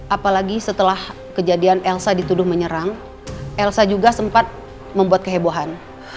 apalagi setelah kejadian elsa dituduh menyerang elsa juga sempat membuat kehebohan